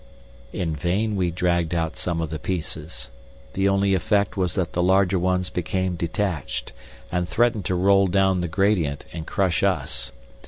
In vain we dragged out some of the pieces. The only effect was that the larger ones became detached and threatened to roll down the gradient and crush us.